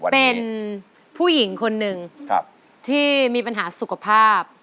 เป็นผู้หญิงคนหนึ่งที่มีปัญหาสุขภาพ